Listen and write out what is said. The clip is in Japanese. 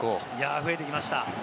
増えてきました。